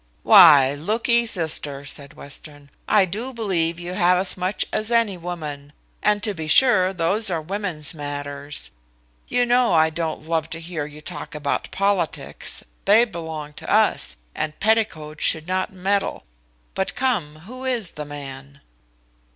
"Why, lookee, sister," said Western, "I do believe you have as much as any woman; and to be sure those are women's matters. You know I don't love to hear you talk about politics; they belong to us, and petticoats should not meddle: but come, who is the man?"